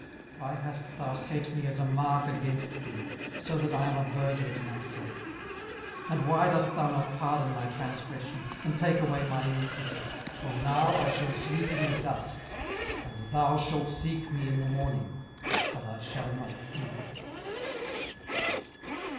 why hast thou set me as a mark against thee, so that I am a burden to myself? 18:007:021 And why dost thou not pardon my transgression, and take away my iniquity? for now shall I sleep in the dust; and thou shalt seek me in the morning, but I shall not be.